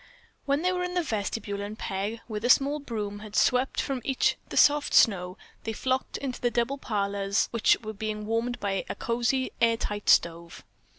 When they were in the vestibule and Peg, with a small broom, had swept from each the soft snow, they flocked into the double parlors which were being warmed by a cosy, air tight stove.